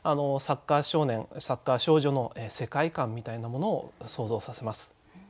サッカー少年サッカー少女の世界観みたいなものを想像させます。